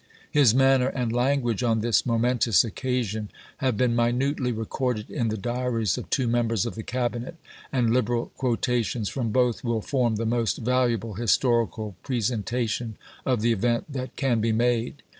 His manner and language on this momentous occasion have been minutely recorded in the diaries of two members of the Cabinet, and liberal quotations from both will form the most valuable historical presentation of the event that can be made.